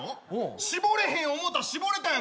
絞れへん思うたら絞れたやん